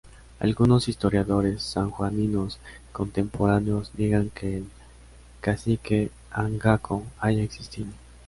Algunos historiadores sanjuaninos contemporáneos niegan que el Cacique Angaco haya existido.